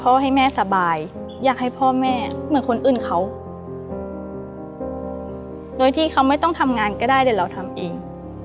ให้แม่สบายอยากให้พ่อแม่เหมือนคนอื่นเขาโดยที่เขาไม่ต้องทำงานก็ได้เดี๋ยวเราทำเอง